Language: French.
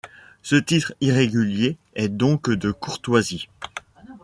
Ce titre irrégulier est donc de courtoisie.